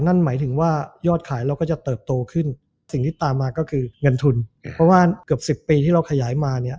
นั่นหมายถึงว่ายอดขายเราก็จะเติบโตขึ้นสิ่งที่ตามมาก็คือเงินทุนเพราะว่าเกือบ๑๐ปีที่เราขยายมาเนี่ย